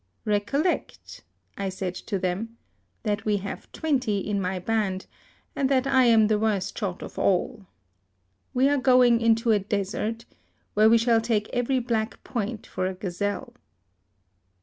"Recol lect," I said to them, " that we have twenty in my band, and that I am the worst shot of all. We are going into a desert, where we shall take 6very black point for a gaz elle."